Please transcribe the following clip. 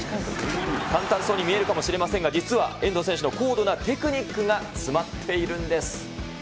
簡単そうに見えるかもしれませんが、実は遠藤選手の高度なテクニックが詰まっているんです。